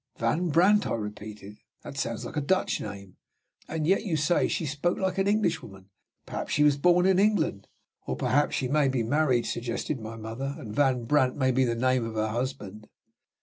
'" "Van Brandt?" I repeated. "That sounds like a Dutch name. And yet you say she spoke like an Englishwoman. Perhaps she was born in England." "Or perhaps she may be married," suggested my mother; "and Van Brandt may be the name of her husband."